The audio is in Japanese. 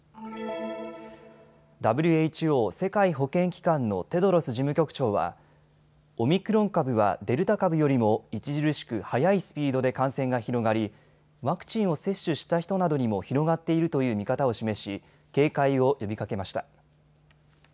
ＷＨＯ・世界保健機関のテドロス事務局長はオミクロン株はデルタ株よりも著しく速いスピードで感染が広がりワクチンを接種した人などにも広がっているという見方を示し警戒を呼びかけました。